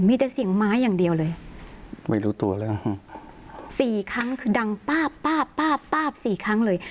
มีแต่เสียงไม้อย่างเดียวเลยไม่รู้ตัวแล้วสี่ครั้งคือดังป๊าบป๊าบป๊าบป๊าบสี่ครั้งเลย